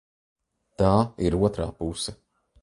Tā ir otrā puse.